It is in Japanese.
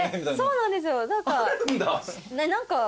そうなんですよ何か。